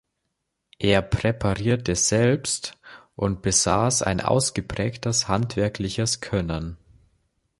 Er präparierte selbst und besaß ein ausgeprägtes handwerkliches Können.